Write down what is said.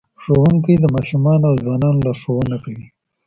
ښوونکی د ماشومانو او ځوانانو لارښوونه کوي.